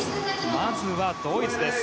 まずはドイツです。